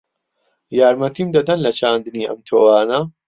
یارمەتیم دەدەن لە چاندنی ئەم تۆوانە؟